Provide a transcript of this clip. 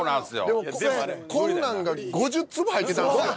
でもこんなんが５０粒入ってたんですよ。